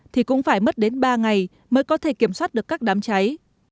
thì cũng phải mất đến ba ngày mới có thể kiểm soát được các đám cháy